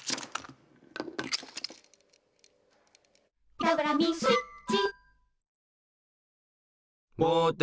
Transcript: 「ピタゴラミングスイッチ」